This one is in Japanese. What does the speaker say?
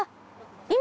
今。